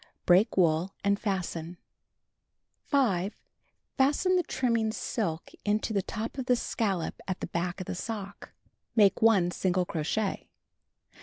Break wool and fasten. 5. Fasten the trimming silk into the top of the scallop at the back of the sock. Make 1 single crochet.